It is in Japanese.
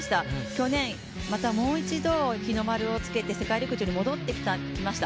去年、またもう一度日の丸をつけて世界陸上に戻ってきました。